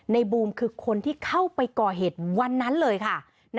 บูมคือคนที่เข้าไปก่อเหตุวันนั้นเลยค่ะ